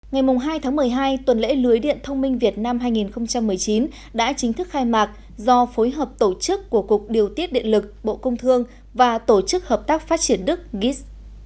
ngày hai tháng một mươi hai tuần lễ lưới điện thông minh việt nam hai nghìn một mươi chín đã chính thức khai mạc do phối hợp tổ chức của cục điều tiết điện lực bộ công thương và tổ chức hợp tác phát triển đức gis